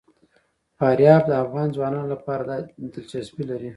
فاریاب د افغان ځوانانو لپاره دلچسپي لري.